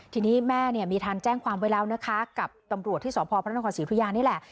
ทีนี้แม่มีทานแจ้งความไว้แล้วนะคะกับตำรวจที่สพศศิษยานี่แหละ